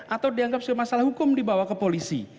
atau dianggap sebagai masalah hukum dibawa ke polisi